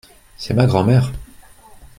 C’est ma grand-mère.